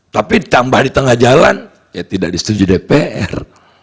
tapi ditambah di tengah jalan ya tidak disetujui dpr